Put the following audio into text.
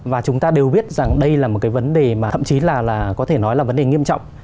và chúng ta đều biết rằng đây là một cái vấn đề mà thậm chí là có thể nói là vấn đề nghiêm trọng